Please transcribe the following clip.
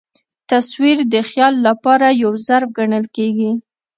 تصویر د خیال له پاره یو ظرف ګڼل کېږي.